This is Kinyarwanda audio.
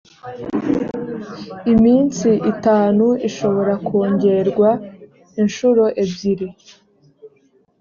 iminsi itanu ishobora kongerwa inshuro ebyiri